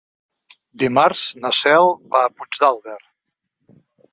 Dimarts na Cel va a Puigdàlber.